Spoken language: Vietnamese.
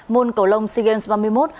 môn cầu lông sea games ba mươi một